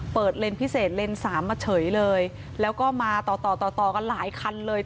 เปิดเลนส์พิเศษเลนส์สามมาเฉยเลยแล้วก็มาต่อกันหลายคันเลย